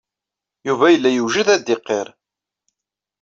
Yuba yella yewjed ad d-iqirr.